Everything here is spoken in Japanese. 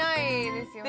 ですよね。